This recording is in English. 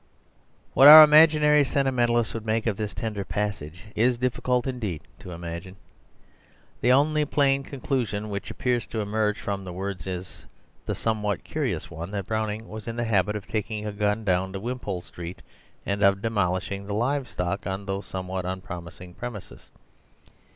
What our imaginary sentimentalist would make of this tender passage it is difficult indeed to imagine. The only plain conclusion which appears to emerge from the words is the somewhat curious one that Browning was in the habit of taking a gun down to Wimpole Street and of demolishing the live stock on those somewhat unpromising premises.